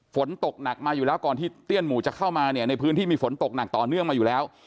ฝนตกหนักมาอยู่แล้วก่อนที่เตี้ยนหมู่จะเข้ามาเนี่ยในพื้นที่มีฝนตกหนักต่อเนื่องมาอยู่แล้ว